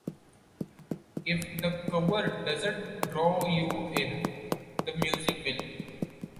If the cover doesn't draw you in, the music will.